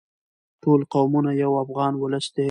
ټول قومونه یو افغان ولس دی.